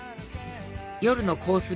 夜のコース